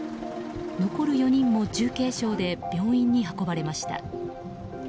残る４人も重軽傷で病院に運ばれました。